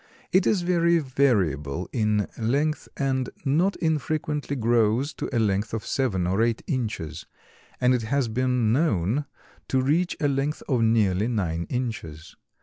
It is very variable in length and not infrequently grows to a length of seven or eight inches, and it has been known to reach a length of nearly nine inches.